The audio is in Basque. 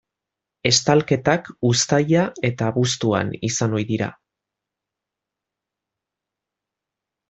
Estalketak uztaila eta abuztuan izan ohi dira.